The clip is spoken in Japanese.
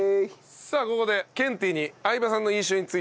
さあここでケンティーに相葉さんの印象についてお聞きしております。